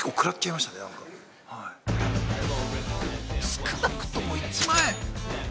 少なくとも１万円？